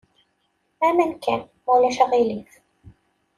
Aman kan, ma ulac aɣilif.